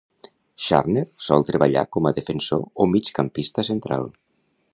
Scharner sol treballar com a defensor o migcampista central.